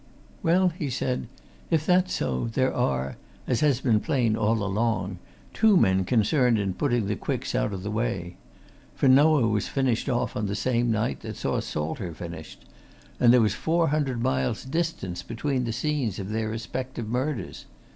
"Well," he said, "if that's so, there are as has been plain all along two men concerned in putting the Quicks out of the way. For Noah was finished off on the same night that saw Salter finished and there was four hundred miles distance between the scenes of their respective murders.